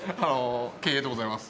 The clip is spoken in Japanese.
経営でございます。